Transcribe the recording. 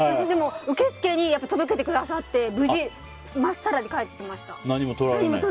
でも受付に届けてくださって無事まっさらで返ってきました。